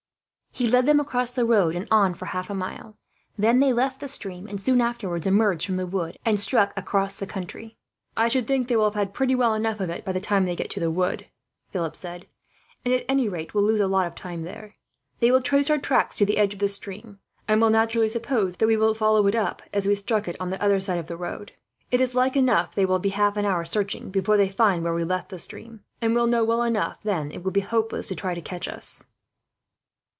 He led them across the road, and on for half a mile. Then they left the stream and, soon afterwards, emerged from the wood and struck across the country. "I should think they will have had pretty well enough of it, by the time they get to the wood," Philip said; "and at any rate, will lose a lot of time there. They will trace our tracks to the edge of the stream, and will naturally suppose that we will follow it up, as we struck it on the other side of the road. It is like enough they will be half an hour searching, before they find where we left the stream; and will know well enough, then, it will be hopeless trying to catch us."